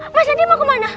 mas randy mau kemana